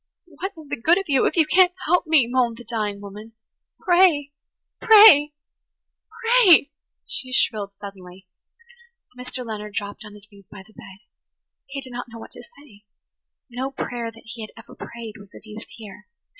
"What is the good of you if you can't help me?" moaned the dying woman. "Pray–pray–pray!" she shrilled suddenly. Mr. Leonard dropped on his knees by the bed. He did not know what to say. No prayer that he had ever prayed was of use here.